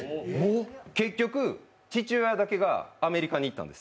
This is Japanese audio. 結局、父親だけがアメリカに行ったんです。